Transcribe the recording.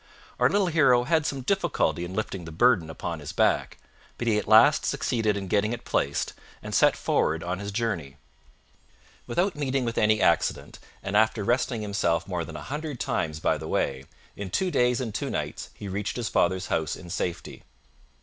Our little hero had some difficulty in lifting the burden upon his back; but he at last succeeded in getting it placed and set forward on his journey. Without meeting with any accident, and after resting himself more than a hundred times by the way, in two days and two nights he reached his father's house in safety.